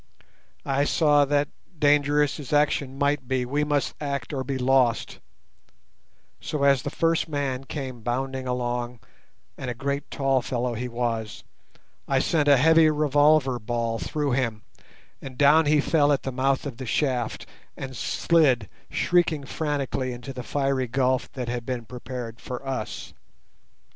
I saw that, dangerous as action might be, we must act or be lost, so as the first man came bounding along—and a great tall fellow he was—I sent a heavy revolver ball through him, and down he fell at the mouth of the shaft, and slid, shrieking frantically, into the fiery gulf that had been prepared for us.